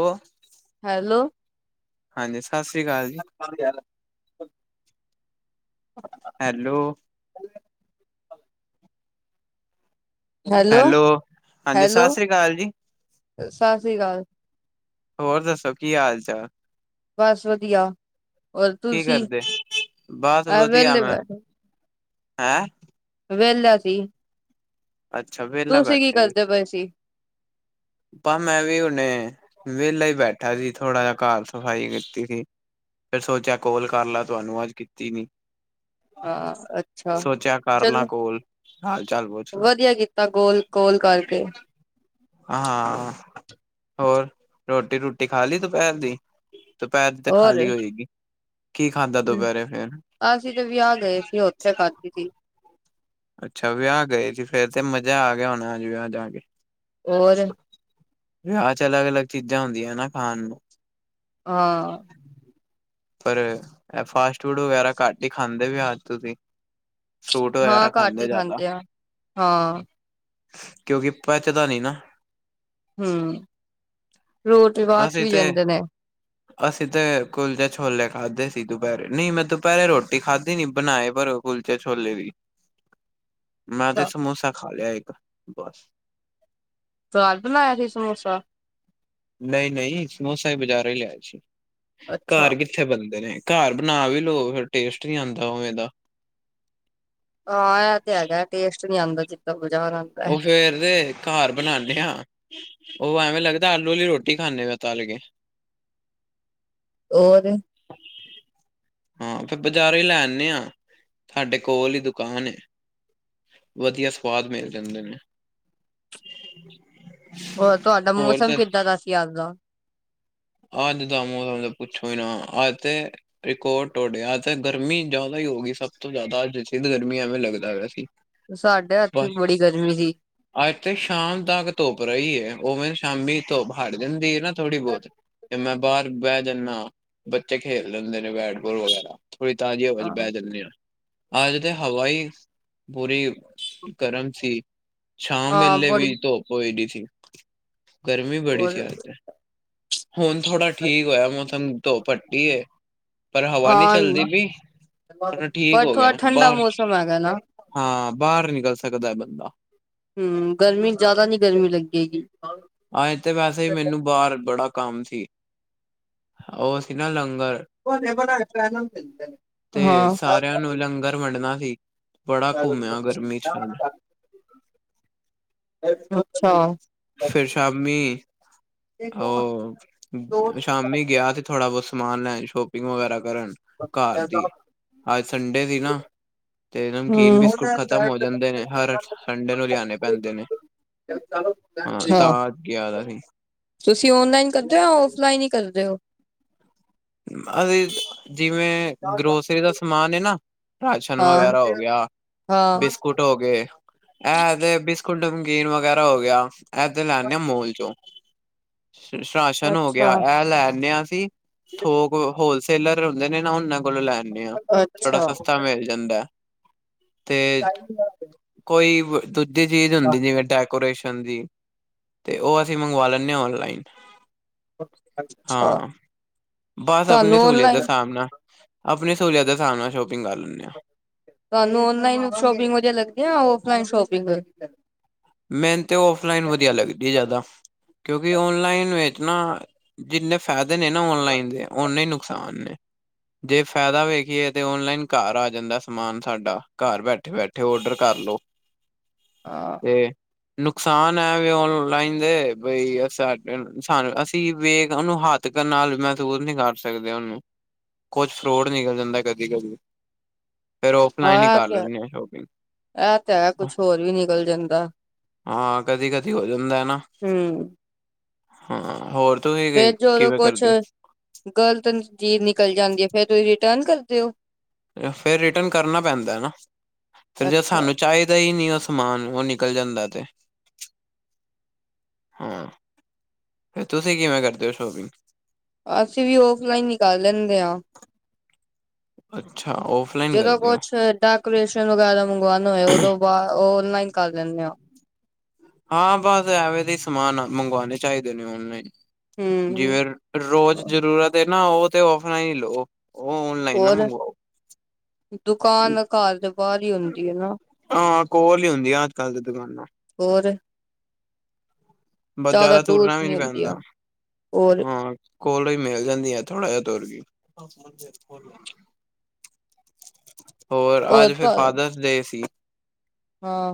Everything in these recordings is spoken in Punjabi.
ਉਹ। ਹੈਲੋ। ਹਾਂਜੀ ਸਤਿ ਸ੍ਰੀ ਅਕਾਲ ਜੀ। ਠ। ਹੈਲੋ। ਆਹ । ਹੈਲੋ ਹਾਂਜੀ ਸਤਿ ਹੈਲੋ ਸ੍ਰੀ ਅਕਾਲ ਜੀ। ਸਤਿ ਸ੍ਰੀ ਅਕਾਲ ਜੀ । ਹੋਰ ਦੱਸੋ ਕੀ ਹਾਲ ਚਾਲ । ਬਸ ਵਧੀਆ। ਹੋਰ ਕੀ ਤੁਸੀਂ ਕਰਦੇ ਬਸ ਵਧੀਆ ਮੈਂ ਹੈਂ। ਵਿਹਲਾ ਸੀ ਅੱਛਾ ਵਿਹਲਾ ਤੁਸੀਂ ਕੀ ਕਰਦੇ ਪਏ ਸੀ। ਪਰ ਮੈਂ ਵੀ ਉਹਨੇ ਵਿਹਲਾ ਹੀ ਬੈਠਾ ਸੀ ਥੋੜ੍ਹਾ ਜਿਹਾ ਘਰ ਸਫ਼ਾਈ ਕੀਤੀ ਸੀ। ਫਿਰ ਸੋਚਿਆ ਕੋਲ ਕਰ ਲਾ ਤੁਹਾਨੂੰ ਅੱਜ ਕੀਤੀ ਨਹੀਂ। ਹਾਂ ਅੱਛਾ ਲਾਂ ਚਲੋ ਕੋਲ ਹਾਲ ਚਾਲ ਪੁੱਛ ਲਾ ਵਧੀਆ ਕੀਤਾ। ਬੰਦਾ ਕੋਲ ਗੋਲ ਕਰਕੇ। ਹਾਂ ਹੋਰ ਰੋਟੀ ਰੂਟੀ ਖਾ ਲਈ ਦੁਪਹਿਰ ਦੀ। ਦੁਪਹਿਰ ਦੀ ਤੇ ਖਾਲੀ ਹੋਏਗੀ। ਕੀ ਖਾਧਾ ਹਮ ਦੁਪਹਿਰੇ ਫੇਰ ਅਸੀਂ ਤੇ ਵਿਆਹ ਗਏ ਸੀ ਉਥੇ ਖਾਧੀ ਸੀ। ਅੱਛਾ ਵਿਆਹ ਗਏ ਸੀ ਫੇਰ ਤੇ ਮਜ਼ਾ ਆ ਗਿਆ ਹੋਣਾ ਅੱਜ ਵਿਆਹ ਜਾ ਕੇ। ਹੋਰ। ਵਿਆਹ ਚ ਅਲੱਗ ਅਲੱਗ ਚੀਜ਼ਾਂ ਹੁੰਦੀਆਂ ਨਾ ਖਾਣ ਨੂੰ। ਹਾਂ। ਪਰ ਫਾਸਟ ਫੂਡ ਵਗੈਰਾ ਘੱਟ ਹੀ ਖਾਂਦੇ ਵੀ ਅੱਜ ਤੁਸੀਂ। ਫਰੂਟ ਹਾਂ ਵਗੈਰਾ ਘੱਟ ਖਾਂਦੇ ਹੀ ਜ਼ਿਆਦਾ। ਆ ਹਾਂ ਕਿਉਂਕਿ ਪਹਿਚਦਾ ਨੀ ਨਾ। ਹਮ ਰੋਟ ਵੀ ਬਾਅਦ ਚ ਅਸੀਂ ਵੀ ਤੇ ਜਾਂਦੇ ਨੇ। ਅਸੀਂ ਤੇ ਕੁਲਚੇ ਛੋਲੇ ਖਾਧੇ ਸੀ। ਦੁਪਹਿਰੇ ਨਹੀਂ ਮੈਂ ਦੁਪਹਿਰੇ ਰੋਟੀ ਖਾਧੀ ਨੀ ਬਣਾਏ ਪਰੋਂ। ਕੁਲਚੇ ਛੌਲੇ ਵੀ। ਮੈਂ ਤੇ ਅੱਛਾ ਸਮੋਸਾ ਖਾ ਲਿਆ ਇੱਕ ਬਸ। ਘਰ ਬਣਾਇਆ ਸੀ ਸਮੋਸਾ। ਨਹੀਂ ਨਹੀਂ ਸਮੋਸਾ ਹੀ ਬਜ਼ਾਰ ਹੀ ਲਿਆ ਸੀ ਅੱਛਾ ਘਰ ਕਿੱਥੇ ਬੰਦੇ ਨੇ। ਘਰ ਬਣਾ ਵੀ ਲੋਓ ਫਿਰ ਟੇਸਟ ਨੀ ਆਉਂਦਾ ਉਵੇਂ ਦਾ। ਹਾਂ ਇਹ ਤੇ ਹੈਗਾ ਟੇਸਟ ਨੀ ਆਉਦਾ ਜਿੱਦਾ। ਉਹ ਫੇਰ ਦੇ ਘਰ ਬਣਾਉਦੇ ਆ। ਉਹ ਐਵੇਂ ਲੱਗਦਾ ਆਲੂ ਵਾਲੀ ਰੋਟੀ ਖਾਂਦੇ ਤਲ ਕੇ। ਹੋਰ। [inaudible] ਹਾਂ ਫਿਰ ਬਾਜ਼ਾਰੋਂ ਹੀ ਲੈ ਆੇ ਹਾਂ ਸਾਡੇ ਕੋਲ ਹੀ ਦੁਕਾਨ ਹੈ। ਵਧੀਆ ਸੁਵਾਦ ਮਿਲ ਜਾਂਦੇ ਨੇ। ਹੋਰ ਤੁਹਾਡਾ ਹੋਰ ਮੌਸਮ ਤੇ ਕਿੱਦਾਂ ਦਾ ਸੀ ਅੱਜ ਦਾ? ਅੱਜ ਦਾ ਮੌਸਮ ਤੇ ਪੁੱਛੋ ਹੀ ਨਾ, ਅੱਜ ਤੇ ਰਿਕੋਡ ਟੋਡੇ ਅੱਜ ਤੇ ਗਰਮੀ ਜ਼ਿਆਦਾ ਹੀ ਹੋ ਗਈ ਸਭ ਤੋਂ ਜ਼ਿਆਦਾ ਅੱਜ ਸਿੱਧ ਗਰਮੀ ਐਵੇਂ ਲੱਗਦਾ ਹੋਇਆ ਸੀ। ਸਾਡੇ ਇੱਥੇ ਬਸ, ਬੜੀ ਗਰਮੀ ਸੀ। ਅੱਜ ਤੇ ਸ਼ਾਮ ਤੱਕ ਧੁੱਪ ਰਹੀ ਹੈ ਓਵੇ ਸ਼ਾਮੀ ਤੋਂ ਭਾਡ ਦਿੰਦੀ ਆ ਨਾ, ਥੋੜ੍ਹੀ ਬਹੁਤ ਤੇ ਮੈਂ ਬਾਹਰ ਬਹਿ ਜਾਂਦਾ ਆ, ਬੱਚੇ ਖੇਲ ਲੈਂਦੇ ਨੇ ਬੈਟ ਬੋਲ ਵਗੈਰਾ। ਥੋੜੀ ਤਾਜ਼ੀ ਹਵਾ ਚ ਹਾਂ, ਬਹਿ ਜਾਨੇ ਆਂ। ਅਜ ਤੇ ਹਵਾਈ ਬੂਰੀ ਗਰਮ ਸੀ। ਸ਼ਾਮ ਹਾਂ ਵੇਲੇ ਬੜੀ ਵੀ ਧੁੱਪ ਹੋਦੀ ਸੀ। ਗਰਮੀ ਬੜੀ ਹੋਰ ਸੀ ਅੱਜ ਤੇ, ਹੁਣ ਥੋੜਾ ਠੀਕ ਹੋਇਆ ਮੌਸਮ। ਧੂਪ ਹਟੀ ਹੈ, ਪਰ ਹਵਾ ਨਹੀ ਹਾਂ ਚੱਲਦੀ ਪੀ। ਡਾ ਠੀਕ ਪਰ ਹੋ ਥੋੜਾ ਗਿਆ ਠੰਡਾ ਬਾਹਰ ਮੌਸਮ ਹੈਗਾ ਨਾ। ਹਾਂ ਬਾਹਰ ਨਿਕਲ ਸਕਦਾ ਬੰਦਾ ਹਮ, ਗਰਮੀ ਜ਼ਿਆਦਾ ਨੀ ਗਰਮੀ ਲੱਗੇਗੀ। ਅੱਜ ਤੇ ਵੈਸੇ ਵੀ ਮੈਨੂੰ ਬਾਹਰ ਬੜਾ ਕੰਮ ਸੀ। ਉਹ ਸੀ ਨਾ ਲੰਗ ਲੰਗਰ, ਤੇ ਹਾਂ, ਸਾਰਿਆਂ ਨੂੰ ਲੰਗਰ ਵੰਡਣਾ ਸੀ। ਬੜਾ ਘੁੰਮਿਆ ਗਰਮੀ ਚ। ਅੱਛਾ ਫਿਰ ਸ਼ਾਮੀ ਉਹ, ਸ਼ਾਮੀ ਗਿਆ ਸੀ ਥੋੜਾ-ਬਹੁਤ ਸਮਾਨ ਲੈਣ ਸ਼ੋਪਿੰਗ ਵਗੈਰਾ ਕਰਨ। ਘਰ ਦੀ, ਅੱਜ ਸੰਡੇ ਸੀ ਨਾ। ਤੇ ਨਮਕੀਨ ਹੂੰ, ਬਿਸਕੁਟ ਖਤਮ ਹੋ ਜਾਂਦੇ ਨੇ, ਹਰ ਸੰਡੇ ਨੂੰ ਲਿਆਣੇ ਪੈਂਦੇ ਨੇ। ਹਾਂ। ਤਾਂ ਗਿਆ ਦਾ ਸੀ ਤੁਸੀਂ ਔਨਲਾਈਨ ਕਰਦੇ ਹੋ ਜਾਂ ਔਫਲਾਈਨ ਹੀ ਕਰਦੇ ਹੋ। ਅ ਜਿਵੇਂ ਗਰੋਸਰੀ ਦਾ ਸਮਾਨ ਹੈ ਨਾ। ਰਾਸ਼ਨ ਹਾਂ, ਵਗੈਰਾ ਹੋ ਗਿਆ, ਹਾਂ। ਬਿਸਕੁਟ ਹੋ ਗਏ। ਇਹ ਤੇ ਬਿਸਕੁਟ ਨਮਕੀਨ ਵਗੈਰਾ ਹੋ ਗਿਆ ਇਹ ਤੇ ਲੈਦੇ ਆ ਮੋਲ ਚੋਂ ਰਾਸ਼ਨ ਹੋ ਗਿਆ ਅੱਛਾ, ਅੱਛਾ, ਇਹ ਲੈਦੇ ਅਸੀਂ ਥੋਕ ਹੋਲਸੇਲਰ ਹੁੰਦੇ ਨੇ ਨਾ ਉਹਨਾਂ। ਕੋਲੋਂ ਲੈ ਆਨੇ ਹਾਂ ਥੋੜਾ ਅੱਛਾ। ਸਸਤਾ ਮਿਲ ਜਾਂਦਾ ਏ। ਤੇ ਕੋਈ ਦੂਜੀ ਚੀਜ਼ ਹੁੰਦੀ ਜਿਵੇਂ ਡੈਕੋਰੇਸ਼ਨ ਦੀ ਤੇ ਉਹ ਅਸੀਂ ਮੰਗਵਾ ਲੈਂਦੇ ਹ ਓਨਲਾਈਨ। ਅੱਛਾ। ਬਸ ਆਪਣੀ ਸਹੂਲੀਅਤ ਦੇ ਸਾਬ ਨਾਲ, ਆਪਣੀ ਸੂਲੀਅਤ ਦੇ ਸਾਬ ਨਾਲ ਸ਼ੋਪਿੰਗ ਕਰ ਲੈਂਦੇ ਆ। ਤੁਹਾਨੂੰ ਓਨਲਾਈਨ ਸ਼ੋਪਿੰਗ ਵਧਿਆ ਲੱਗਦੀ ਹੈ ਜਾ ਆਫ਼ਲਾਈਨ ਸ਼ੋਪਿੰਗ। ਮੈਨੂੰ ਤੇ ਆਫਲਾਈਨ ਵਧੀਆ ਲੱਗਦੀ ਜਿਆਦਾ ਕਿਉਂਕਿ ਓਨਲਾਈਨ ਵਿੱਚ ਨਾ। ਜਿੰਨੇ ਫਾਇਦੇ ਨੇ ਨਾ ਔਨਲਾਈਨ ਦੇ, ਉਨੇ ਹੀ ਨੁਕਸਾਨ ਨੇ। ਜੇ ਫਾਇਦਾ ਵੇਖੀਏ ਤਾਂ ਔਨਲਾਈਨ ਘਰ ਆ ਜਾਂਦਾ ਸਮਾਨ ਸਾਡਾ ਘਰ ਬੈਠੇ- ਬੈਠੇ ਔਡਰ ਕਰ ਲਓ। [inaudible] [inaudible] ਹਾਂ, ਤੇ। ਨੁਕਸਾਨ ਹੈ ਵੀ ਓਨਲਾਈਨ ਦੇ ਬਈ ਸ -ਸਾਨੂੰ ਅਸੀਂ ਵੇਖ ਹੱਥ। ਹੱਥਾਂ ਨਾਲ ਮਹਿਸੂਸ ਨਹੀਂ ਕਰ ਸਕਦੇ ਉਹਨੂੰ, ਕੁਛ ਫਰੋਡ ਨਿਕਲ ਜਾਂਦਾ ਹੈ ਕਦੀ ਕਦੀ। ਫੇਰ ਉਫਲਾਈਨ ਹੀ ਹਾਂ ਇਹ ਕਰ ਤੇ ਹੈ। ਲੈਂਦੇ ਹਾਂ ਸ਼ੋਪਿੰਗ। ਇਹ ਤਾਂ ਹੈ ਕੁਛ ਹੋਰ ਵੀ ਨਿਕਲ ਜਾਂਦਾ। ਹਾਂ ਕਦੀ ਕਦੀ ਹੋ ਜਾਂਦਾ ਨਾ। ਹਾਂ, ਹੋਰ ਤੁਸੀਂ ਕਿ- ਫਿਰ ਜਦੋਂ ਕਿਵੇਂ ਕੁਛ ਕਰਦੇ ਗ਼ਲਤ ਚੀਜ਼ ਨਿਕਲ ਜਾਂਦੀ ਹੈ ਫੇਰ ਤੁਸੀਂ। ਰਿਟਰਨ ਕਰ ਦੇਓ। ਫੇਰ ਰਿਟਰਨ ਕਰਨਾ ਪੈਂਦਾ ਹੈ ਨਾ, ਫੇਰ ਜੇ ਅੱਛਾ, ਸਾਨੂੰ ਚਾਹੀਦਾ ਹੀ ਨਹੀਂ। ਸਮਾਨ ਉਹ ਨਿਕਲ ਜਾਂਦਾ ਤੇ। ਹਾਂ, ਫੇਰ ਤੁਸੀਂ ਕਿਵੇਂ ਕਰਦੇ ਹੋ ਸ਼ੋਪਿੰਗ? ਅਸੀਂ ਵੀ ਆਫਲਾਈਨ ਹੀ ਕਰ ਲੈਂਦੇ ਹਾਂ। ਅੱਛਾ ਔਫਲਾਈਨ ਜਦੋਂ ਕਰਦੇ ਹੋ ਕੁਛ ਡ। ਕੋਰੇਸ਼ਨ ਵਗੈਰਾ ਮੰਗਵਾਉ ਹੋਏ ਉਹਦੋਂ ਬਾਅਦ ਉਹ ਓਨਲਾਈਨ ਕਰ ਲੈਂਦੇ ਹਾਂ। ਹਾਂ, ਬਸ ਐਵੇਂ ਦੇ ਸਮਾਨ ਮੰਗਵਾਉਣੇ ਚਾਹੀਦੇ ਨੇ ਓਨਲਾਈਨ। ਹੂੰ। ਜਿਵੇਂ ਰੋਜ਼ ਜ਼ਰੂਰਤ ਹੈ ਨਾ, ਉਹ ਤੇ ਆਫ਼ ਲਾਈਨ ਹੀ ਲਓ। ਉਹ ਔਨਲਾਈਨ ਨਾ ਹੋਰ ਮੰਗਵਾਓ। ਦੁਕਾਨ ਘਰ ਦੇ ਬਾਹਰ ਹੀ ਹੁੰਦੀ ਏ ਨਾ। ਹਾਂ ਕੋਲ ਹੀ ਹੁੰਦੀਆਂ ਅੱਜ ਕੱਲ ਤੇ ਦੁਕਾਨਾਂ। ਹੋਰ ਬ ਜ਼ਿਆਦਾ ਦੂਰ ਤੁਰਨਾ ਵੀ ਨੀ ਨਹੀਂ ਹੁੰਦੀ ਪੈਂਦਾ, ਆ ਹੋਰ ਹਾਂ। ਕੋਲੋਂ ਈ ਮਿਲ ਜਾਂਦੀਆਂ, ਥੋੜਾ ਜਿਹਾ ਤੁਰ ਕੇ। ਹੋਰ, ਉਹ ਅੱਜ ਫਿਰ ਤਾਂ ਫਾਦਰਸ ਡੇ ਸੀ। ਹਾਂ।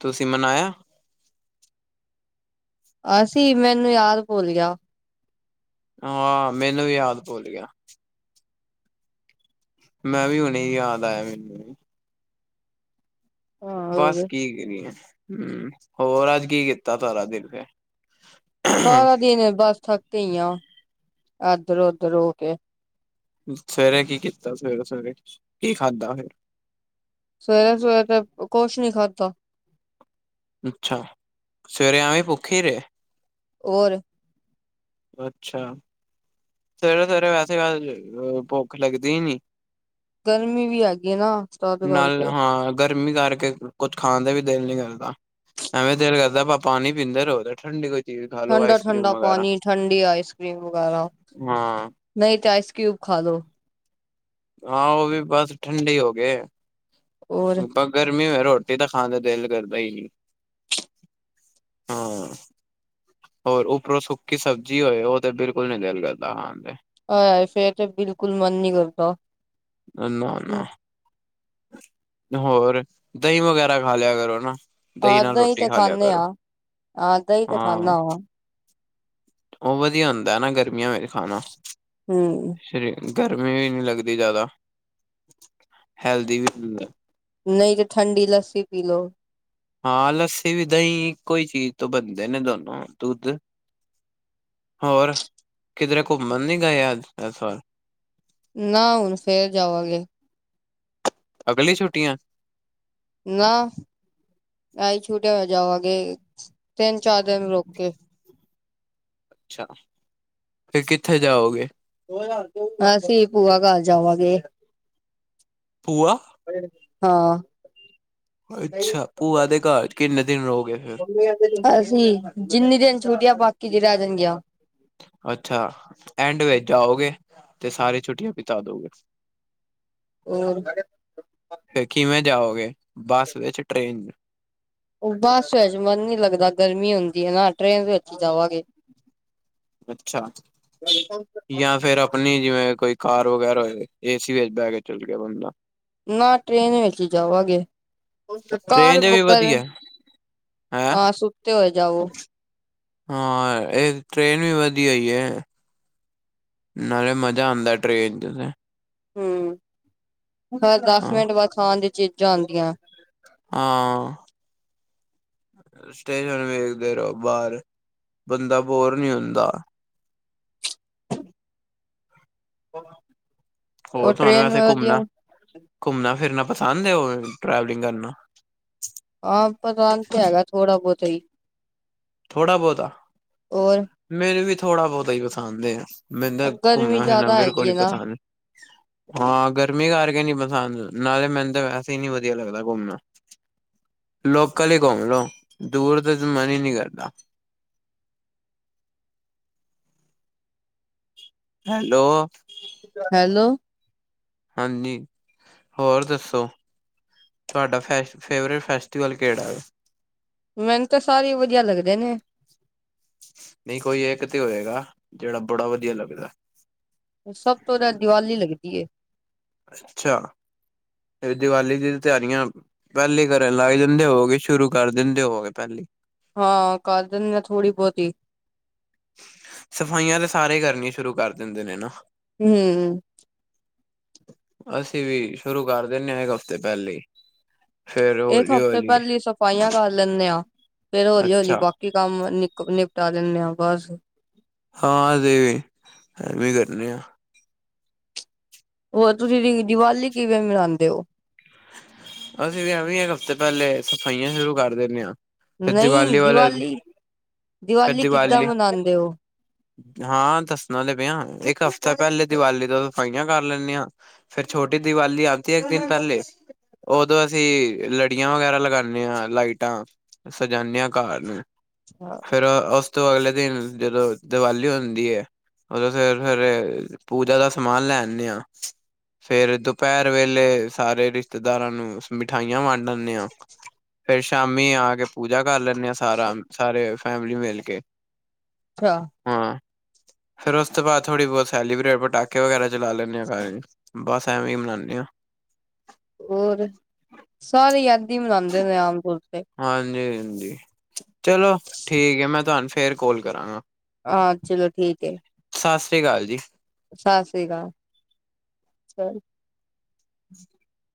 ਤੁਸੀਂ ਮਨਾਇਆ? ਅਸੀ, ਮੈਨੂੰ ਯਾਦ ਭੁੱਲ ਗਿਆ। ਹਾਂ ਮੈਨੂੰ ਵੀ ਯਾਦ ਭੁੱਲ ਗਿਆ। ਮੈਂ ਵੀ, ਹੁਣੇ ਈ ਯਾਦ ਆਇਆ ਮੈਨੂੰ। ਹਾਂ ਬਸ ਹੋਰ ਕੀ ਕਰੀਏ, ਹੰ, ਹੋਰ ਅੱਜ ਕੀ ਕੀਤਾ ਸਾਰਾ ਦਿਲ ਫਿਰ? ਸਾਰਾ ਦਿਨ ਬਸ ਥੱਕੇ ਹੀ ਆ, ਇਧਰ ਉਧਰ ਹੋ ਕੇ। ਸਵੇਰੇ ਕੀ ਕੀਤਾ, ਸਵੇਰੇ- ਸਵੇਰੇ ਕੀ ਖਾਧਾ ਫਿਰ? ਸਵੇਰੇ-ਸਵੇਰੇ ਤੇ ਕੁਛ ਨੀ ਖਾਧਾ। ਅੱਛਾ, ਸਵੇਰੇ ਐਵੇਂ ਭੁੱਖੀ ਹੀ ਰਹੇ? ਹੋਰ। ਅੱਛਾ, ਸਵੇਰੇ ਸਵੇਰੇ ਵੈਸੇ ਭੁੱਖ ਲੱਗਦੀ ਨੀ। ਗਰਮੀ ਵੀ ਹੈਗੀ। ਨਾ ਤਦ ਨਾਲ ਕਰਕੇ ਹਾਂ, ਗਰਮੀ ਕਰਕੇ ਕੁਛ ਖਾਣ ਤੇ ਵੀ ਦਿਲ ਨੀ ਕਰਦਾ। ਐਵੇਂ ਦਿਲ ਕਰਦਾ ਬਸ ਪਾਣੀ ਪੀਂਦੇ ਰਹੋ, ਤੇ ਠੰਡੀ ਕੋਈ ਚੀਜ਼ ਖਾ ਲੋ ਠੰਡਾ- ਆਈਸ ਕਰ੍ਰੀਮ ਠੰਡਾ ਵਗੈਰਾ ਪਾਣੀ, ਠੰਡੀ ਆਈਸ ਕਰ੍ਰੀਮ ਵਗੈਰਾ। ਹਾਂ ਨਹੀਂ ਤੇ ਆਇਸ ਕਿਊਬ ਖਾ ਲੋ। ਹਾਂ, ਉਹ ਵੀ ਬਸ ਠੰਢੇ ਹੀ ਹੋ ਗਏ। ਹੋਰ ਹੂੰ, ਗਰਮੀ ਹੋਏ ਰੋਟੀ ਤਾਂ ਖਾਣ ਤੇ ਦਿਲ ਕਰਦਾ ਹੀ ਨਹੀਂ। ਹਾਂ, ਹੋਰ ਉੱਪਰੋਂ ਸੁੱਕੀ ਸਬਜ਼ੀ ਹੋਏ, ਉਹ ਤੇ ਬਿਲਕੁਲ ਨੀ ਦਿਲ ਕਰਦਾ ਖਾਣ ਤੇ। ਆਏ ਹਾਏ, ਫੇਰ ਤੇ ਬਿਲਕੁਲ ਮਨ ਨਹੀਂ ਕਰਦਾ। ਨਾ-ਨਾ, ਹੋਰ, ਦਹੀਂ ਵਗੈਰਾ ਖਾ ਲਿਆ ਕਰੋ ਨਾ। ਦਹੀਂ ਨਾਲ ਏਦਾਂ ਹੀ ਰੋਟੀ ਤੇ ਖਾ ਲਿਆ ਖਾਂਦੇ ਕਰੋ, ਆ ਏਦਾਂ ਹੀ ਤੇ ਹਾਂ। ਖਾਂਦਾ ਵਾ ਉਹ ਵਧੀਆ ਹੁੰਦਾ ਨਾ, ਗਰਮੀਆਂ ਵਿੱਚ ਖਾਣਾ। ਹੂੰ, ਗਰਮੀ ਵੀ ਨਹੀਂ ਲੱਗਦੀ ਜ਼ਿਆਦਾ, ਹੈਲਦੀ ਵੀ ਨਹੀਂ ਤੇ ਠੰਡੀ ਲੱਸੀ ਪੀ ਲਓ। ਹਾਂ, ਲੱਸੀ ਵੀ ਦਹੀਂ ਇੱਕੋ ਹੀ ਚੀਜ਼ ਤੋਂ ਬਣਦੇ ਨੇ ਦੋਨੋ, ਦੁੱਧ। ਹੋਰ ਕਿਧਰੇ ਘੁੰਮਣ ਨੀ ਗਏ ਅੱਜ, ਐਸ ਵਾਰ। ਨਾ, ਹੁਣ ਫੇਰ ਜਾਵਾਂਗੇ। ਅਗਲੀ ਛੁੱਟੀਆਂ ਛੁੱਟੀਆ ਹੋ ਜਾਵਾਂਗੇ, ਤਿੰਨ ਚਾਰ ਦਿਨ ਰੁੱਕ ਕੇ। ਅੱਛਾ, ਫਿਰ ਕਿੱਥੇ ਜਾਓਗੇ। ਅਸੀਂ ਭੂਆ ਘਰ ਜਾਵਾਂਗੇ। ਭੂਆ ਹਾਂ, ਅੱਛਾ, ਭੂਆ ਦੇ ਘਰ ਚ ਕਿੰਨੇ ਦਿਨ ਰਹੋਗੇ ਫਿਰ ਅਸੀ ਜਿੰਨੇ ਦਿਨ ਛੁਟੀਆ ਬਾਕੀ ਦੀ ਰਹਿ ਜਾਣਗੀਆ। ਅੱਛਾ, ਐਂਡ ਵਿੱਚ ਜਾਓਗੇ ਤੇ ਸਾਰੇ ਛੁੱਟੀਆਂ ਬਿਤਾ ਦੋਗੇ। ਹੋਰ, ਫਿਰ ਕਿਵੇਂ ਜਾਓਗੇ ਬੱਸ ਵਿੱਚ, ਟ੍ਰੇਨ ਚ ਉਹ ਬੱਸ ਵਿਚ ਮਨ ਨਹੀਂ ਲੱਗਦਾ ਗਰਮੀ ਹੁੰਦੀ ਨਾ, ਟ੍ਰੇਨ ਵਿੱਚ ਹੀ ਜਾਵਾਂਗੇ। ਅੱਛਾ ਜਾਂ ਫੇਰ ਆਪਣੀ ਜਿਵੇਂ ਕੋਈ ਕਾਰ ਵਗੈਰਾ ਹੋਏ, ਏ ਸੀ ਦੇ ਵਿੱਚ ਬਹਿ ਕੇ ਚੱਲ ਗਿਆ ਬੰਦਾ। ਨਾ ਟ੍ਰੇਨ ਵਿੱਚ ਜਾਵਾਂਗੇ, ਕਾਰ ਟ੍ਰੇਨ ਚ ਵੀ ਬੁੱਕ ਕਰ ਵਧੀਆ ਹੈਂ ਆਹ ਸੁੱਤੇ ਹੋਏ ਜਾਓ। ਹਾਂ, ਇਹ ਟ੍ਰੇਨ ਵੀ ਵਧੀਆ ਈ ਐ। ਨਾਲੇ ਮਜ਼ਾ ਆਂਦਾ ਟ੍ਰੇਨ ਤੇ- ਤੇ। ਹੂੰ, ਫੇਰ ਦਸ ਹਾਂ ਮਿੰਟ ਬਾਅਦ ਖਾਣ ਦੀ ਚੀਜ਼ਾਂ ਆਂਦੀਆਂ। ਹਾਂ, ਸਟੇਸ਼ਨ ਵੇਖਦੇ ਰਹੋ, ਬਾਹਰ ਬੰਦਾ ਬੋਰ ਨੀ ਹੁੰਦਾ। [inaudible] ਉਹ ਹੋਰ ਤੁਹਾਨੂੰ ਟ੍ਰੇਨ ਵੈਸੇ ਵਧੀਆ ਘੁੰਮਣਾ- ਘੁੰਮਣਾ ਫਿਰਨਾ ਪਸੰਦ ਐ, ਉਹ ਟਰੈਵਲਿੰਗ ਕਰਨਾ। ਹਾਂ ਪਸੰਦ ਤੇ ਹੈਗਾ, ਥੋੜਾ ਬਹੁਤਾ ਹੀ। ਥੋੜਾ ਬਹੁਤਾ, ਹੋਰ ਮੈਨੂੰ ਵੀ ਥੋੜਾ ਬਹੁਤਾ ਹੀ ਪਸੰਦ ਏ। ਮੈਨੂੰ ਤਾਂ ਗਰਮੀ ਘੁੰਮਣਾ ਫਿਰਨਾ ਜ਼ਿਆਦਾ ਬਿਲਕੁਲ ਹੈਗੀ ਨੀ ਹੈ ਨਾ ਪਸੰਦ, ਹਾਂ ਗਰਮੀ ਕਰਕੇ ਨੀ ਪਸੰ ਹਨ, ਨਾਲੇ ਮੈਨੂੰ ਤਾਂ ਵੈਸੇ ਹੀ ਨੀ ਵਧੀਆ ਲੱਗਦਾ ਘੁੰਮਣਾ। ਲੋਕਲ ਹੀ ਘੁੰਮ ਲੋ, ਦੂਰ ਤਾਂ ਮਨ ਹੀ ਨੀ ਕਰਦਾ। [unintelligible] ਹੈਲੋ ਹੈਲੋ ਹਾਂਜੀ ਹੋਰ ਦੱਸੋ ਤੁਹਾਡਾ ਫ ਫੇਵਰੇਟ ਫੈਸਟੀਵਲ ਕਿਹੜਾ ਹੈ ਮੈਨੂੰ ਤਾਂ ਸਾਰੇ ਵਧੀਆ ਲੱਗਦੇ ਨੇ [unintelligible] ਸਭ ਤੋਂ ਤਾਂ ਦੀਵਾਲੀ ਲੱਗਦੀ ਅੱਛਾ ਫ ਦੀਵਾਲੀ ਦੀ ਤਿਆਰੀਆਂ ਪਹਿਲੀ ਕਰਨ ਲੱਗ ਦਿੰਦੇ ਹੋਗੇ ਸ਼ੁਰੂ ਕਰ ਦਿੰਦੇ ਹੋਗੇ ਪਹਿਲੀ ਹਾਂ ਕ ਦਨ ਆ ਥੋੜ੍ਹੀ ਬਹੁਤੀ ਸਫਾਈਆਂ ਤਾਂ ਸਾਰੇ ਕਰਨੀਆਂ ਸ਼ੁਰੂ ਕਰ ਦਿੰਦੇ ਨੇ ਨਾ ਹਮ ਅਸੀਂ ਵੀ ਸ਼ੁਰੂ ਕਰ ਦਦੇ ਹਾਂ ਇੱਕ ਹਫ਼ਤੇ ਪਹਿਲੇ ਹੀ ਫੇਰ ਇੱਕ ਹੌਲੀ ਹਫ਼ਤੇ ਹੌਲੀ ਪਹਿਲੀ ਸਫ਼ਾਈਆਂ ਕਰ ਲੈਂਦੇ ਹਾਂ ਫੇਰ ਹਲੀ ਹਲੀ ਅੱਛਾ ਬਾਕੀ ਕੰਮ ਨ ਸਟਾਲਿਨ ਨੇ ਆਵਾਜ਼ ਹਾਂ ਦੇ ਵੀ ਐ ਵੀਂ ਕਰਨੇ ਆ ਹੋਰ ਤੁਸੀਂ ਦੀ ਦੀਵਾਲੀ ਕਿਵੇਂ ਮਨਾਉਂਦੇ ਹੋ ਅਸੀਂ ਵੀ ਐਵੇਂ ਇੱਕ ਹਫ਼ਤੇ ਪਹਿਲੇ ਸਫਾਈਆਂ ਸ਼ੁਰੂ ਕਰ ਦਿੰਦੇ ਹਾਂ ਫਿਰ ਦੀਵਾਲੀ ਵਾਲਾ ਫਿਰ ਕਿੱਦਾਂ ਦੀਵਾਲੀ ਮਨਾਉਂਦੇ ਹੋ? ਹਾਂ ਦੱਸਣਾ ਲ ਪਿਆ ਇੱਕ ਹਫ਼ਤਾ ਪਹਿਲੇ ਦੀਵਾਲੀ ਤੋਂ ਸਫਾਈਆਂ ਕਰ ਲੈਂਦੇ ਹਾਂ ਫਰ ਛੋਟੀ ਦੀਵਾਲੀ ਆਦੀ ਹੈ ਇੱਕ ਦਿਨ ਪਹਿਲੇ ਉਦੋਂ ਅਸੀਂ ਲੜੀਆਂ ਵਗੈਰਾ ਲਗਾਉਦੇ ਹਾਂ ਲਾਈਟਾਂ ਸਜਾਦੇ ਹਾਂ ਕਾਰ ਨੂੰ ਫੇਿਰ ਉਸ ਤੋਂ ਅਗਲੇ ਦਿਨ ਜਦੋਂ ਦੀਵਾਲੀ ਹੁੰਦੀ ਹੈ ਉਦੋਂ ਫਿਰ ਫਿਰ ਪੂਜਾ ਦਾ ਸਮਾਨ ਲੈਦੇ ਆਾਂ ਫੇਰ ਦੁਪਹਿਰ ਵੇਲੇ ਸਾਰੇ ਰਿਸ਼ਤੇ ਰਿਦਾਰਾਂ ਨੂੰ ਮਿਠਾਈਆਂ ਵੰਡ ਦਦੇ ਆ ਫੇਰ ਸ਼ਾਮੀ ਆ ਕੇ ਪੂ ਵਜਾ ਕਰ ਲੈਂਦੇ ਆ ਸਾਰਾ ਸਾਰੇ ਫੈਮਲੀ ਮਿਲ ਕੇ ਅੱਛਾ [inaudible] ਫੇਿਰ ਉਸ ਤੋਂ ਬਾਅਦ ਥੋੜ੍ਹੀ ਬਹੁਤ ਸੈਲੀਬ੍ਰੇਟ ਪਟਾਕੇ ਵਗੈਰਾ ਚਲਾ ਲੈਂਦੇ ਆਾਂਰ ਬਸ ਐਵੇਂ ਹੀ ਮਨਾਉਂਦੇ ਹਾਂ [inaudible] ਹੋਰ ਸਾਰੇ ਯਾਦੀ ਮਨਾਉਂਦੇ ਨੇ ਆਮ ਤੌਰ ਤੇ। ਹਾਂਜੀ ਹਾਂਜੀ ਚਲੋ ਠੀਕ ਹੈ ਮੈਂ ਤੁਹਾਨੂੰ ਫੇਰ ਕੋਲ ਕਰਾਂਗਾ। ਹਾਂ ਚਲੋ ਠੀਕ ਹੈ। ਸਤਿ ਸ਼੍ਰੀ ਅਕਾਲ ਜੀ। ਸਤਿ ਸ਼੍ਰੀ ਅਕਾਲ [unintelligible] [inaudible]